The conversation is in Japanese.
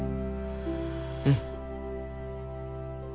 うん。